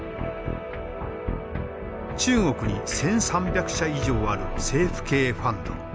中国に１，３００社以上ある政府系ファンド。